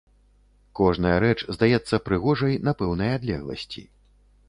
Кожная рэч здаецца прыгожай на пэўнай адлегласці.